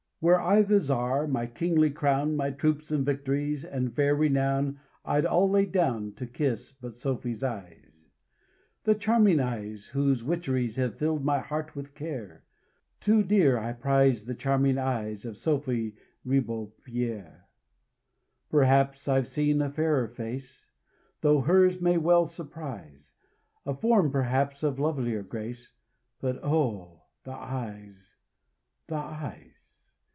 Were I the Czar, my kingly crown, My troops and victories, And fair renown I'd all lay down To kiss but Sophy's eyes. The charming eyes, whose witcheries Have filled my heart with care; Too dear I prize the charming eyes Of Sophy Ribeaupierre. Perhaps I've seen a fairer face, Though hers may well surprise; A form perhaps of lovelier grace, But, oh! the eyes, the eyes!